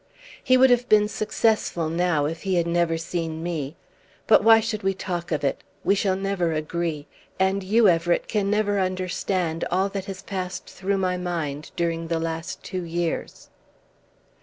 "He would have been successful now if he had never seen me. But why should we talk of it? We shall never agree. And you, Everett, can never understand all that has passed through my mind during the last two years."